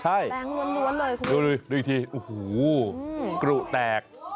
ใช่ดูอีกทีโอ้โหกรูแตก